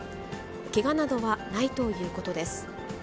けがなどはないということです。